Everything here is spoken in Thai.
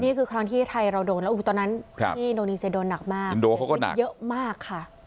นี่คือครั้งที่ไทยเราโดนแล้วตอนนั้นที่โดนีเซียโดนหนักมากเยอะมากค่ะ